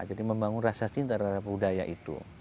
jadi membangun rasa cinta terhadap budaya itu